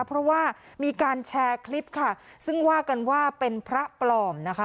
เพราะว่ามีการแชร์คลิปค่ะซึ่งว่ากันว่าเป็นพระปลอมนะคะ